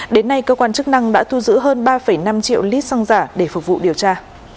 đến nay cơ quan chức năng đã thu giữ hơn ba năm triệu lít xăng giả để phục vụ điều tra